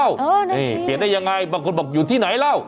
เออนั่นสีเปลี่ยนได้ยังไงบางคนบอกอยู่ที่ไหนแล้ว